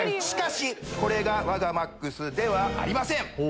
しかしこれが我がＭＡＸではありません。